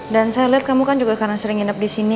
dan saya lihat kamu kan juga karena sering hidup di sini